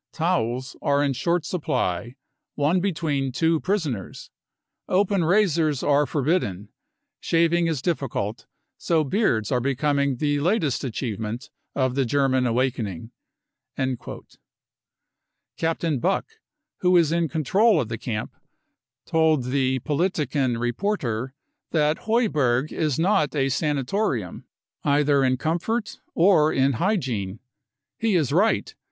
Towels are in short supply : one between two prisoners. Open razors are forbidden. Shaving is diffi cult, so beards are becoming the latest achievement of the German awakening. .." Captain Buck, who is in control of the camp, told the Politiken reporter that Heuberg is not a sanatorium, either* THE CONCENTRATION GAMPS 299 in comfort or in hygiene. He is right.